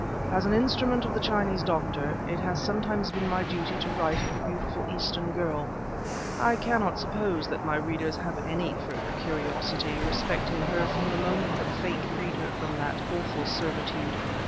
As an instrument of the Chinese doctor, it has sometimes been my duty to write of the beautiful Eastern girl; I cannot suppose that my readers have any further curiosity respecting her from the moment that Fate freed her from that awful servitude.